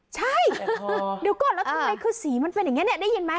ใช่เดี๋ยวก่อนแล้วทำไมคือสีมันเป็นอย่างนี้เนี่ยได้ยินไหม